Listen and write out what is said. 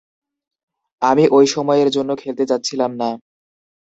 আমি ঐ সময়ের জন্য খেলতে যাচ্ছিলাম না।